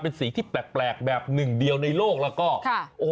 เป็นสีที่แปลกแบบหนึ่งเดียวในโลกแล้วก็ค่ะโอ้โห